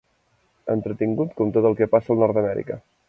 Entretingut com tot el que passa al nord d'Amèrica.